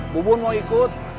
bu bun mau ikut